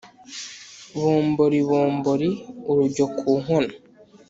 Bombori bombori-Urujyo ku nkono.